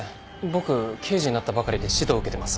僕刑事になったばかりで指導を受けてます。